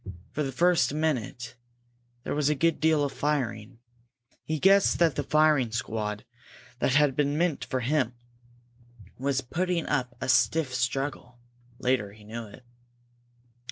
For the first minute there was a good deal of firing. He guessed that the firing squad that had been meant for him was putting up a stiff struggle; later he knew it.